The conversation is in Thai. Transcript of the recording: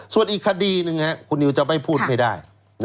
ส่วนอีกคดีหนึ่งคุณนิวจะไม่พูดไม่ได้